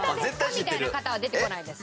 みたいな方は出てこないです。